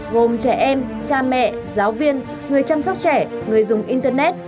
gồm trẻ em cha mẹ giáo viên người chăm sóc trẻ người dùng internet